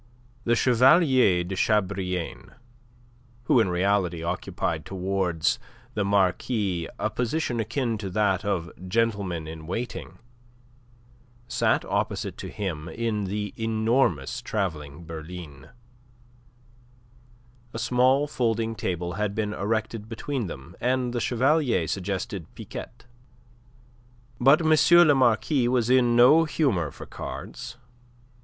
The Chevalier de Chabrillane who in reality occupied towards the Marquis a position akin to that of gentleman in waiting sat opposite to him in the enormous travelling berline. A small folding table had been erected between them, and the Chevalier suggested piquet. But M. le Marquis was in no humour for cards.